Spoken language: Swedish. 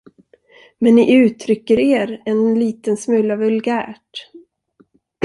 Men ni uttrycker er en liten smula vulgärt.